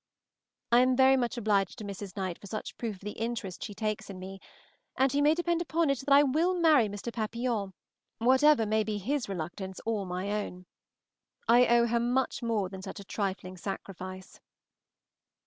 I am very much obliged to Mrs. Knight for such a proof of the interest she takes in me, and she may depend upon it that I will marry Mr. Papillon, whatever may be his reluctance or my own. I owe her much more than such a trifling sacrifice.